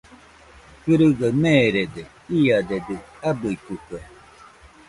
Kɨrɨgaɨ meerede, iadedɨ abɨitɨkue.